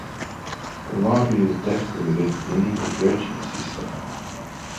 The lobby is decorated in the Regency style.